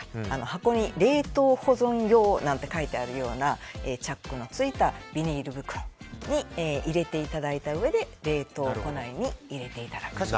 箱に、冷凍保存用なんて書いてあるようなチャックのついたビニール袋に入れていただいたうえで冷凍庫内に入れていただくと。